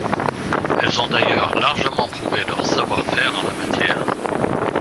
Elles ont d’ailleurs largement prouvé leur savoir-faire en la matière.